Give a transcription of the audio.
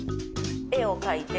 絵を描いて。